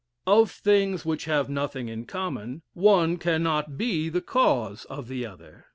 Of things which have nothing in common, one cannot be the cause of the other.